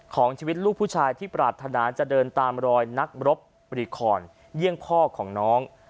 ของชีวิตลูกผู้ชายที่ปรารถนาจะเดินตามรอยนักรบรีคอนเยี่ยมพ่อของน้อง